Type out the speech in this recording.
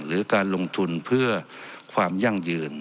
หรือการลงทุนเพื่อความยั่งยืน